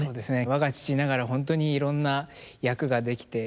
我が父ながら本当にいろんな役ができて。